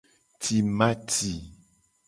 Timati.